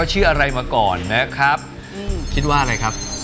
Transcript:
ชื่อแรกเริ่มแรกเลยนะฮะของนางสาวไทย